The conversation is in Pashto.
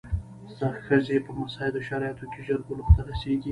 ښځې په مساعدو شرایطو کې ژر بلوغ ته رسېږي.